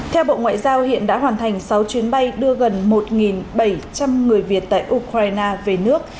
theo bộ ngoại giao hiện đã hoàn thành sáu chuyến bay đưa gần một bảy trăm linh người việt tại ukraine về nước